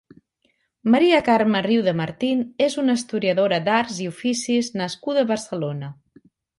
Maria Carme Riu de Martín és una historiadora d'arts i oficis nascuda a Barcelona.